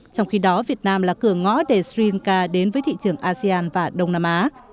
trong khi đó việt nam là cửa ngõ để sri lanka đến với thị trường asean và đông nam á